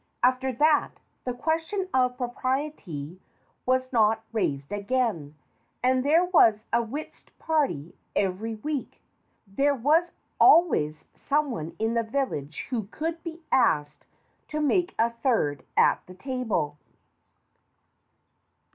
After that, the question of propriety was not raised again, and there was a whist party every week. There was always someone in the village who could be asked to make a third at the table.